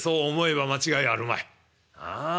ああ。